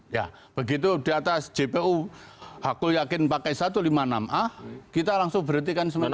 ya begitu di atas jpu aku yakin pakai satu ratus lima puluh enam a kita langsung berhentikan sementara